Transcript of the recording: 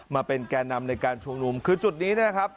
มาเป็นแก่นำในการชุมนุมคือจุดนี้เนี่ยนะครับ